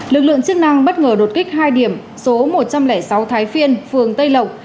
lực lượng chức năng bất ngờ đột kích hai điểm số một trăm linh sáu thái phiên phường tây lộc